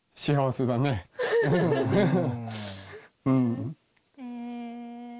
うん。